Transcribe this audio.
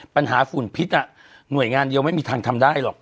ฝุ่นพิษหน่วยงานเดียวไม่มีทางทำได้หรอก